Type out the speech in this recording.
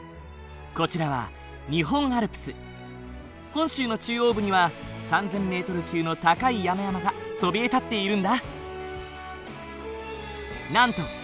こちらは本州の中央部には３，０００ｍ級の高い山々がそびえ立っているんだ。